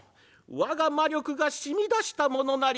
「『我が魔力が染み出したものなり』？